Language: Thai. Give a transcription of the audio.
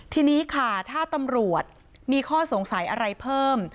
ทีนี้ค่ะถ้าตำรวจมีข้อสงสัยอะไรเพิ่ม